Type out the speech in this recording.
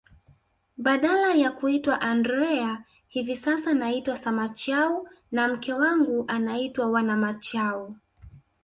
Badala ya kuitwa Andrea hivi sasa naitwa Samachau na mke wangu anaitwa Wanamachau